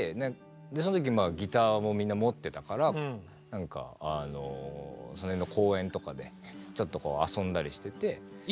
そん時ギターをみんな持ってたから何かその辺の公園とかでちょっと遊んだりしてて。